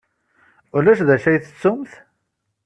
Ulac d acu ay tettumt?